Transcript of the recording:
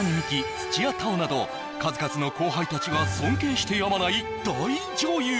土屋太鳳など数々の後輩達が尊敬してやまない大女優